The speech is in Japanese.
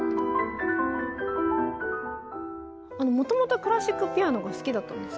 もともとクラシックピアノが好きだったんですか？